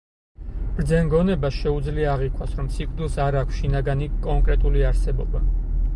ბრძენ გონებას შეუძლია აღიქვას, რომ სიკვდილს არ აქვს შინაგანი, კონკრეტული არსებობა.